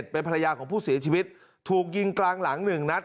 เป็นภรรยาของผู้เสียชีวิตถูกยิงกลางหลัง๑นัด